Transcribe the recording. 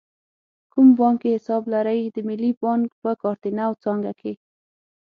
کوم بانک کې حساب لرئ؟ د ملی بانک په کارته نو څانګه کښی